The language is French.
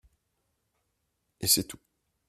Et c'est tout